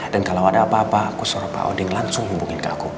dan kalau ada apa apa aku suruh pak odeng langsung hubungin ke aku